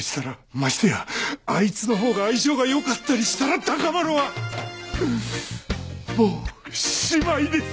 ましてやあいつのほうが相性が良かったりしたら孝麿はもう終いです。